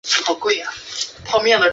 南朝梁天监六年。